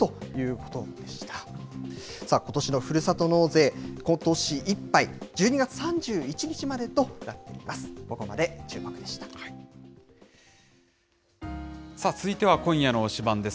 ことしのふるさと納税、ことしいっぱい、１２月３１日までとなっています。